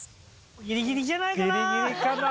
ギリギリじゃないかな？